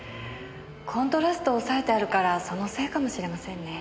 コントラストを抑えてあるからそのせいかもしれませんね。